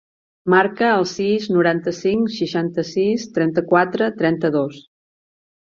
Marca el sis, noranta-cinc, seixanta-sis, trenta-quatre, trenta-dos.